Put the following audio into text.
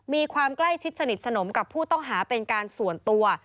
มีความใกล้ชิดสนิทสนมกับผู้ต้องหาเป็นการส่วนตัว